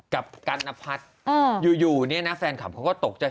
กับกันอัพพัทย์อยู่นี่นะแฟนคลับเขาก็ตกใจ